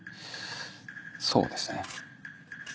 そうですね。